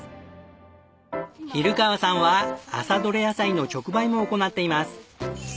比留川さんは朝どれ野菜の直売も行っています。